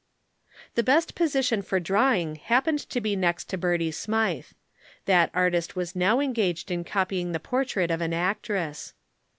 The best position for drawing happened to be next to Bertie Smythe. That artist was now engaged in copying the portrait of an actress.